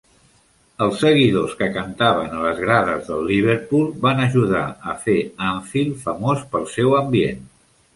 Els seguidors que cantaven a les grades del Liverpool van ajudar a fer Anfield famós pel seu ambient.